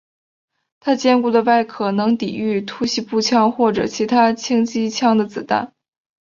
他坚固的外壳能抵御突袭步枪或者其他轻机枪的子弹。